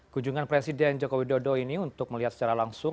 kunjungan presiden jokowi dodo ini untuk melihat secara langsung